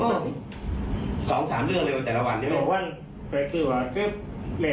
ผมก็คิดว่าคุณน่าจะคับแค้นกายเรื่องนี้